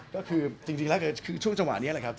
ก็คือจริงแล้วคือช่วงจังหวะนี้แหละครับ